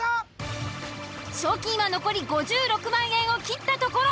賞金は残り５６万円を切ったところ。